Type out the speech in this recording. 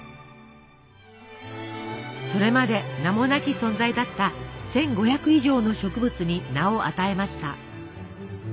それまで名もなき存在だった１，５００以上の植物に名を与えました。